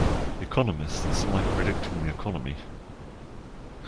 Economists like predicting the Economy.